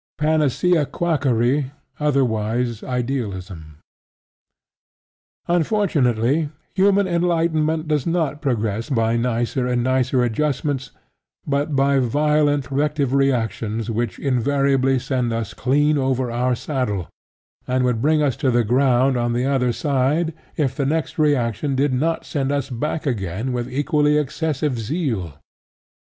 PANACEA QUACKERY, OTHERWISE IDEALISM Unfortunately, human enlightenment does not progress by nicer and nicer adjustments, but by violent corrective reactions which invariably send us clean over our saddle and would bring us to the ground on the other side if the next reaction did not send us back again with equally excessive zeal.